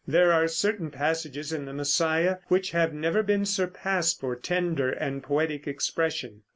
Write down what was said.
There are certain passages in the "Messiah" which have never been surpassed for tender and poetic expression.